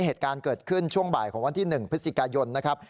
เหตุการณ์เกิดขึ้นช่วงบ่ายของวันที่๑พฤศจิกายนนะครับ